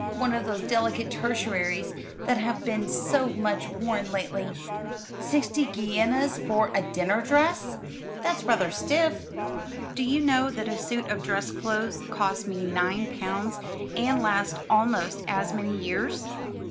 One of those delicate tertiaries that have been so much worn lately." "Sixty guineas for a dinner dress! That's rather stiff. Do you know that a suit of dress clothes costs me nine pounds, and lasts almost as many years?"